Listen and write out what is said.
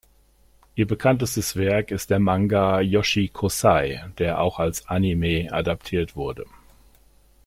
Ihr bekanntestes Werk ist der Manga "Joshi Kōsei", der auch als Anime adaptiert wurde.